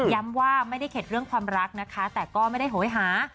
ว่าไม่ได้เข็ดเรื่องความรักนะคะแต่ก็ไม่ได้โหยหา